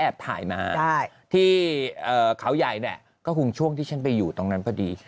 ถ่ายมาที่เขาใหญ่เนี่ยก็คงช่วงที่ฉันไปอยู่ตรงนั้นพอดี